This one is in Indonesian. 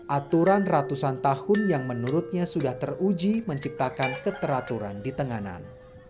aturan ratusan tahun yang menurutnya sudah teruji menciptakan keteraturan di tenganan